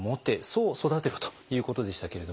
そう育てろということでしたけれども。